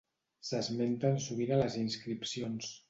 S'esmenten sovint a les inscripcions.